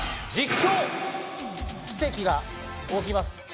奇跡が起きます。